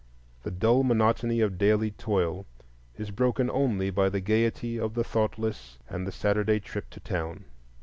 The dull monotony of daily toil is broken only by the gayety of the thoughtless and the Saturday trip to town.